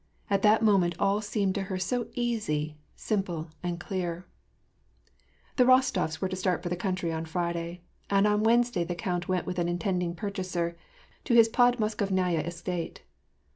At that moment all seemed to her so easy, simple, and clear ! The Rostof s were to start for the country on Friday, and on Wednesday the count went with an intending purchaser to his Pod Moskovnaya estate.